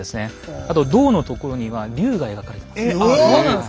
あと胴のところには竜が描かれてます。